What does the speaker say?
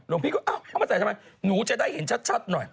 พี่ก็เอามาใส่ทำไมหนูจะได้เห็นชัดหน่อย